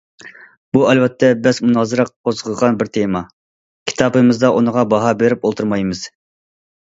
بۇ ئەلۋەتتە بەس- مۇنازىرە قوزغىغان بىر تېما، كىتابىمىزدا ئۇنىڭغا باھا بېرىپ ئولتۇرمايمىز.